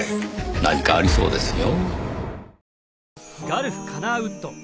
何かありそうですよ。